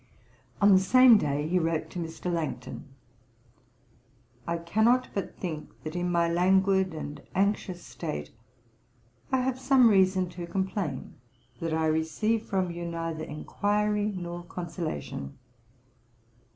On the same day he wrote to Mr. Langton: 'I cannot but think that in my languid and anxious state, I have some reason to complain that I receive from you neither enquiry nor consolation.